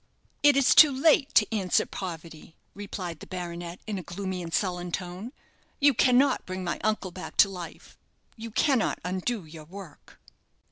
"It is too late to answer poverty," replied the baronet, in a gloomy and sullen tone. "You cannot bring my uncle back to life; you cannot undo your work."